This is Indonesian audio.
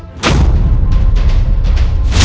aku raikian santan